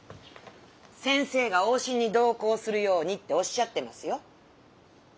先生が往診に同行するようにっておっしゃってますよ。